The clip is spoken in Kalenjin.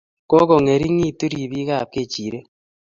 Kokongeringitu ribikap kechirek